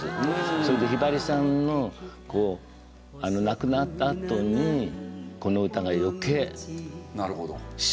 それでひばりさんの亡くなったあとにこの歌が余計しみたのよ。